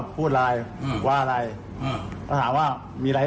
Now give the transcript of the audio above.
พี่ก็เลยตามไปหากล้าที่วิน